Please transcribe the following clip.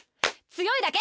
強いだけ！